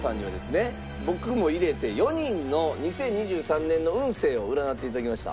僕も入れて４人の２０２３年の運勢を占って頂きました。